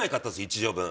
１畳分。